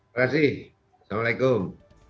terima kasih wassalamualaikum